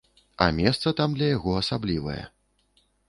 А месца там для яго асаблівае.